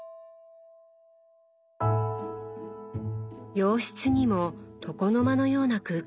洋室にも床の間のような空間が。